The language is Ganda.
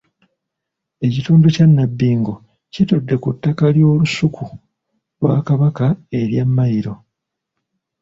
Ekitundu kya Nabbingo kitudde ku ttaka ly’olusuku lwa Kabaka erya mmayiro.